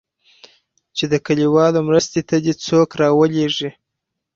چې د کليوالو مرستې ته دې څوک راولېږي.